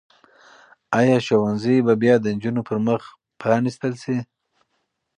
آیا ښوونځي به بیا د نجونو پر مخ پرانیستل شي؟